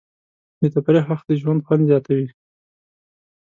د تفریح وخت د ژوند خوند زیاتوي.